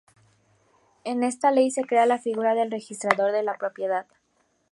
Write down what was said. En esta ley se crea la figura del registrador de la propiedad.